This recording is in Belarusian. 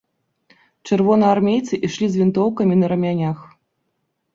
Чырвонаармейцы ішлі з вінтоўкамі на рамянях.